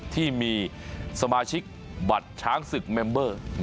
ที่มีสมาชิกบัตรช้างศึกเมมเบอร์